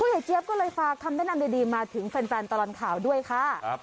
ยายเจี๊ยบก็เลยฝากคำแนะนำดีมาถึงแฟนตลอดข่าวด้วยค่ะ